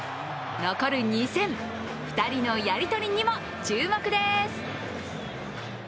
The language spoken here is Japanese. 残る２戦、２人のやり取りにも注目です。